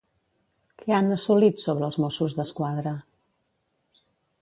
Què han assolit sobre els Mossos d'Esquadra?